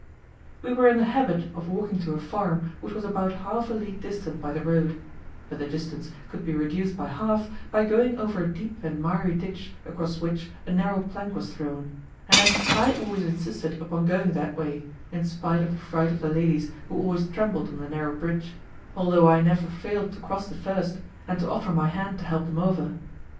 We were in the habit of walking to a farm which was about half a league distant by the road, but the distance could be reduced by half by going over a deep and miry ditch across which a narrow plank was thrown, and I always insisted upon going that way, in spite of the fright of the ladies who always trembled on the narrow bridge, although I never failed to cross the first, and to offer my hand to help them over.